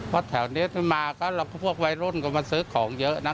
เพราะแถวนี้ถ้ามาก็พวกวัยรุ่นก็มาซื้อของเยอะนะ